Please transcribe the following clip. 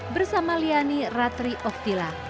bersama liani ratri oktila